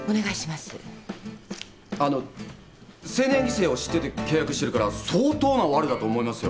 あの成年擬制を知ってて契約してるから相当なワルだと思いますよ。